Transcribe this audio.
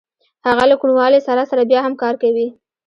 هغه له کوڼوالي سره سره بیا هم کار کوي